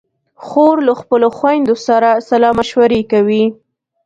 خور له خپلو خویندو سره سلا مشورې کوي.